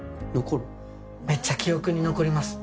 めっちゃ記憶に残ります。